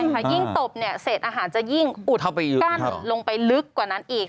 ยิ่งตบเนี่ยเศษอาหารจะยิ่งอุดกั้นลงไปลึกกว่านั้นอีก